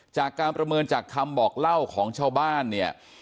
จากการประเมินจากคำบอกเล่าของชาวบ้านเนี่ย